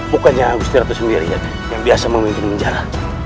bukannya agustin ratu sendiri yang biasa memimpin penjara